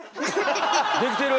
できてる！